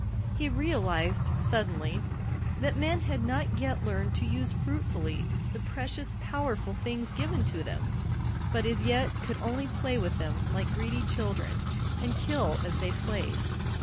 He realized, suddenly, that men had not yet learned to use fruitfully the precious, powerful things given to them, but as yet could only play with them like greedy children and kill as they played.